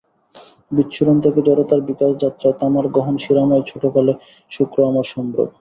বিচ্ছুরণ থেকে জড়তার বিকাশ যাত্রায়, তামার গহন শিরাময় ছোটে কালো শুক্র—আমার সম্ভ্রম।